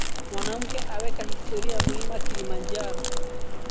Mwanamke aweka historia Mlima Kilimanjaro